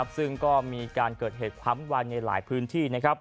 ซึ่งก็มีการเกิดเหตุความวายในหลายพื้นที่